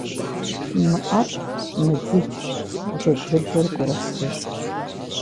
Мыӏэфӏ, мыдыдж, джэд лыбжьэр гурыхь зыщӏ.